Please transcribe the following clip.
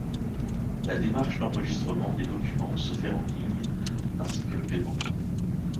La démarche d'enregistrement des documents se fait en ligne, ainsi que le payement.